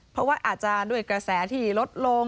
เพราะว่าอาจจะด้วยกระแสที่ลดลง